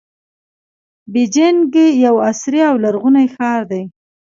بیجینګ یو عصري او لرغونی ښار دی.